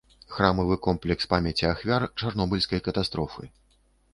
Храмавы комплекс памяці ахвяр чарнобыльскай катастрофы.